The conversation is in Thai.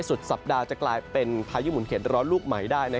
สุดสัปดาห์จะกลายเป็นพายุหมุนเข็ดร้อนลูกใหม่ได้